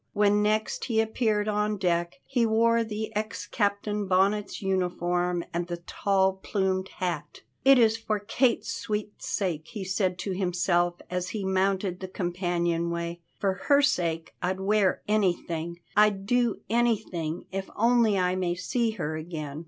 When next he appeared on deck he wore the ex Captain Bonnet's uniform and the tall plumed hat. "It is for Kate's sweet sake," he said to himself as he mounted the companion way; "for her sake I'd wear anything, I'd do anything, if only I may see her again."